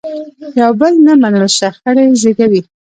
یو بل نه منل شخړې زیږوي.